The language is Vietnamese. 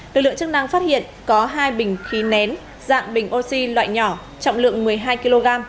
lực lượng chức năng phát hiện có hai bình khí nén dạng bình oxy loại nhỏ trọng lượng một mươi hai kg